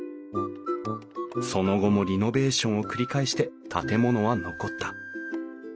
その後もリノベーションを繰り返して建物は残った。